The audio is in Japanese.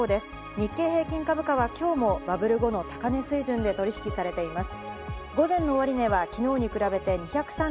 日経平均株価はきょうもバブル後の高値水準で取引されています。